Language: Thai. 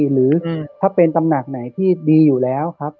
หรือถ้าเป็นตำหนักไหนที่ดีอยู่แล้วครับ